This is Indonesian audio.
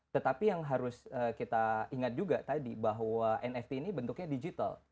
tetapi yang harus kita ingat juga tadi bahwa nft ini bentuknya digital